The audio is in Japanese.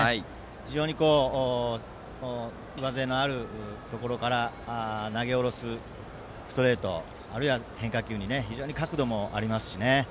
非常に上背のあるところから投げ下ろすストレートあるいは変化球に非常に角度もありますし。